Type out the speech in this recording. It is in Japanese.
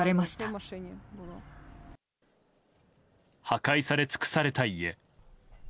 破壊され尽くされた家。